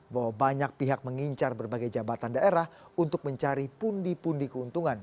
bahwa banyak pihak mengincar berbagai jabatan daerah untuk mencari pundi pundi keuntungan